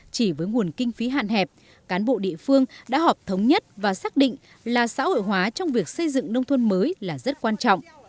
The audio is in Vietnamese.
chỉ với nguồn kinh phí hạn hẹp cán bộ địa phương đã họp thống nhất và xác định là xã hội hóa trong việc xây dựng nông thôn mới là rất quan trọng